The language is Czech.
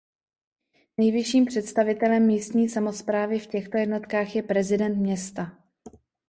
Nejvyšším představitelem místní samosprávy v těchto jednotkách je prezident města.